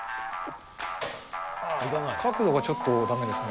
角度がちょっとだめですね。